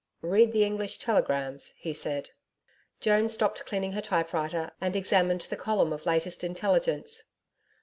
'Read the English Telegrams,' he said. Joan stopped cleaning her typewriter and examined the column of latest intelligence.